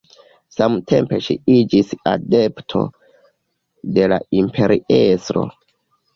Samtempe ŝi iĝis adepto de la imperiestro.